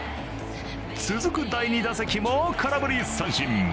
続く第２打席も空振り三振。